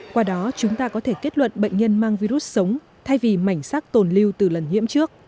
qua đó chúng ta có thể kết luận bệnh nhân mang virus sống thay vì mảnh sắc tồn lưu từ lần nhiễm trước